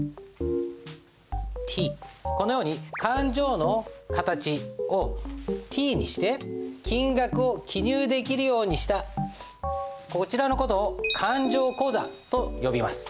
このように勘定の形をＴにして金額を記入できるようにしたこちらの事を勘定口座と呼びます。